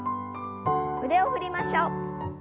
腕を振りましょう。